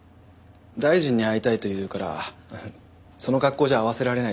大臣に会いたいと言うからその格好じゃ会わせられないと帰ってもらいました。